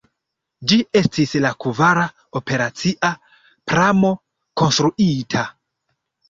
Ĝi estis la kvara operacia pramo konstruita.